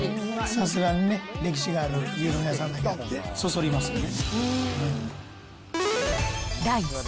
さすがに歴史がある牛丼屋さんだけあって、そそりますよね。